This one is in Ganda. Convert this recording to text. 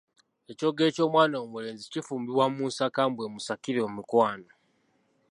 Ekyogero ky’omwana omulenzi kifumbibwa mu nsaka mbu emusakire emikwano.